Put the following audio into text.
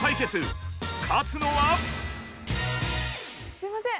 すいません！